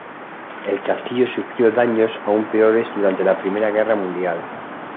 El castillo sufrió daños aún peores durante la Primera Guerra Mundial.